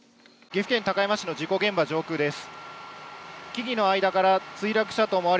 岐阜県高山市の事故現場上空です。